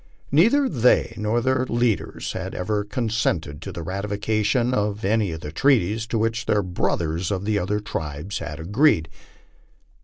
Neither they nor their leaders had ever consented to the ratification of any of the treaties to which their brothers of the other tribes had agreed.